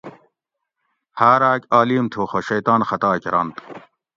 ہاۤر آک آلیم تھو خو شیطان خطا کرنت